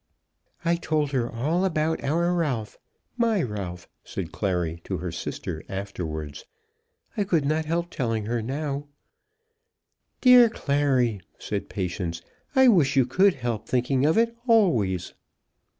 "I told her all about our Ralph, my Ralph," said Clary to her sister afterward. "I could not help telling her now." "Dear Clary," said Patience, "I wish you could help thinking of it always."